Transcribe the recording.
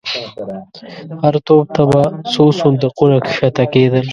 هر توپ ته به څو صندوقونه کښته کېدل.